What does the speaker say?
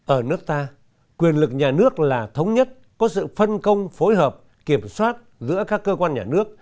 ở nước ta quyền lực nhà nước là thống nhất có sự phân công phối hợp kiểm soát giữa các cơ quan nhà nước